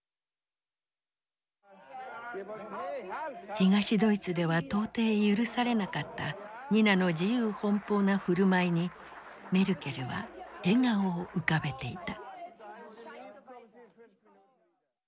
東ドイツでは到底許されなかったニナの自由奔放な振る舞いにメルケルは笑顔を浮かべていた。